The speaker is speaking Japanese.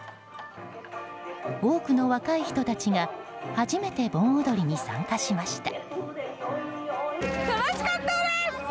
多くの若い人たちが初めて盆踊りに参加しました。